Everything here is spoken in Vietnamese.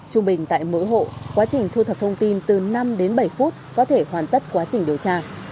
trung bình tại mỗi hộ quá trình thu thập thông tin từ năm đến bảy phút có thể hoàn tất quá trình điều tra